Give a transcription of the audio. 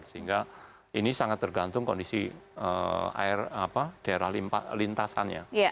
sehingga ini sangat tergantung kondisi daerah lintasannya